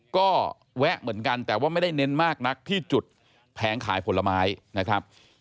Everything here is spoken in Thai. ก็แวะเหมือนกันแต่ว่าไม่ได้เน้นมากนักที่จุดแผงขายผลไม้นะครับ